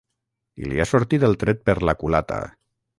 I li ha sortit el tret per la culata.